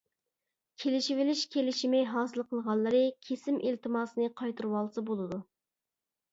كېلىشىۋېلىش كېلىشىمى ھاسىل قىلغانلىرى كېسىم ئىلتىماسىنى قايتۇرۇۋالسا بولىدۇ.